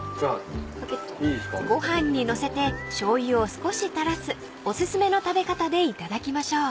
［ご飯に載せてしょうゆを少し垂らすお薦めの食べ方で頂きましょう］